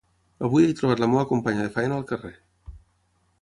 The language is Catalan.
Avui he trobat la meva companya de feina al carrer.